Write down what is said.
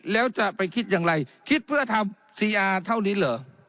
แล้วจะไปคิดอย่างไรคิดเพื่อทำซีอาร์เท่านี้เหรอ